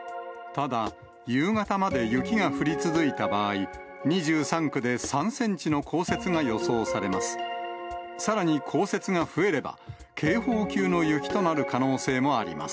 ただ、夕方まで雪が降り続いた場合、２３区で３センチの降雪が予想されます。